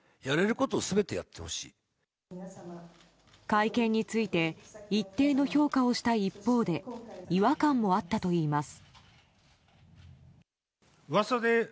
会見について一定の評価をした一方で違和感もあったといいます。